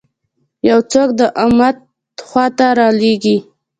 یو څوک د امت خوا ته رالېږي.